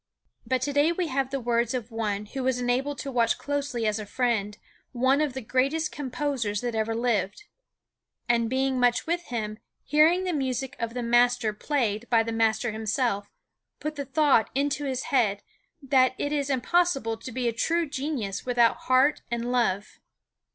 But to day we have the words of one who was enabled to watch closely as a friend one of the greatest composers that ever lived. And being much with him, hearing the music of the master played by the master himself, put the thought into his head, that it is impossible to be a true genius without heart and love.